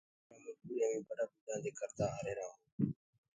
وآ مجوٚريٚ همي ٻڏآ ٻوڏآ دي ڪردآ آريهرآ هونٚ۔